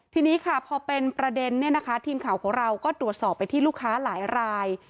ทีนี้ค่ะพอเป็นประเด็นเนี่ยนะคะทีมข่าวของเราก็ตรวจสอบไปที่ลูกค้าหลายราย